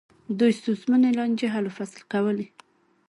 دوی ستونزمنې لانجې حل و فصل کولې.